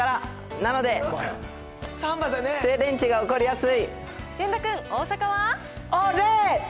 なので、静電気が起こりやすい。